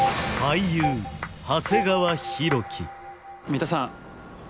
三田さん